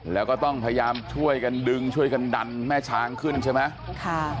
แล้วก็ต้องพยายามช่วยกันดึงช่วยกันดันแม่ช้างขึ้นใช่ไหมค่ะ